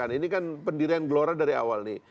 jadi pendirian gelora dari awal nih